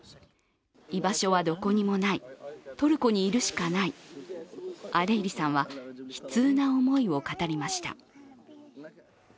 居場所はどこにもない、トルコにいるしかない、アレイリさんは悲痛な思いを語りました。